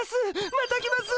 また来ます！